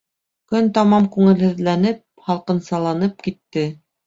Көн тамам күңелһеҙләнеп, һалҡынсаланып китте.